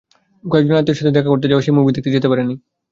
কয়েকজন আত্মীয়ের সাথে দেখা করতে যাওয়ায় সে মুভি দেখতে যেতে পারেনি।